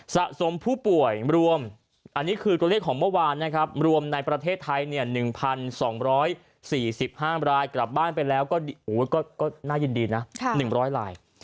สะสมผู้ป่วยรวมอันนี้คือตัวเลขของเมื่อวานนะครับรวมในประเทศไทย๑๒๔๕รายกลับบ้านไปแล้วก็น่ายินดีนะ๑๐๐ราย